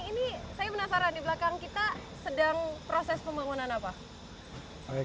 ini saya penasaran di belakang kita sedang proses pembangunan apa